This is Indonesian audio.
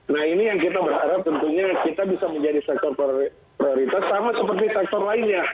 nah ini yang kita berharap tentunya kita bisa menjadi sektor prioritas sama seperti sektor lainnya